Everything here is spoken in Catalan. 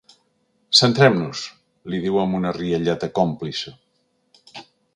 Centrem-nos! —li diu amb una rialleta còmplice—.